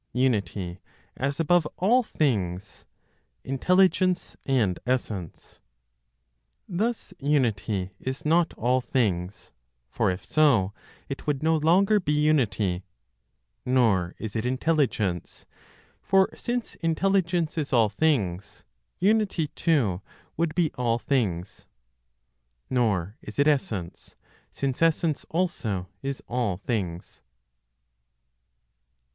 UNITY AS ABOVE ALL THINGS, INTELLIGENCE AND ESSENCE. Thus Unity is not all things, for if so, it would no longer be unity. Nor is it Intelligence, for since intelligence is all things, unity too would be all things. Nor is it essence, since essence also is all things.